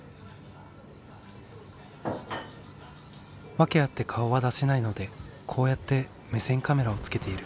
訳あって顔は出せないのでこうやって目線カメラをつけている。